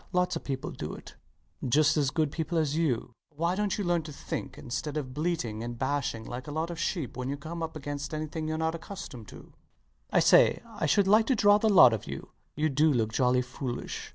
Lots of people do it: just as good people as you. Why dont you learn to think, instead of bleating and bashing like a lot of sheep when you come up against anything youre not accustomed to? [Contemplating their amazed faces with a chuckle] I say: I should like to draw the lot of you now: you do look jolly foolish.